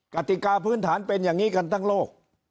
กติกาพื้นฐานเป็นอย่างนี้กันทั้งโลก